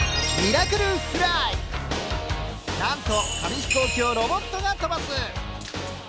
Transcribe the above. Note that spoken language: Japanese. なんと紙飛行機をロボットが飛ばす。